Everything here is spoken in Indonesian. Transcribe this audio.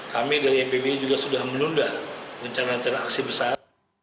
kami dari mpb juga sudah menunda rencana rencana aksi besar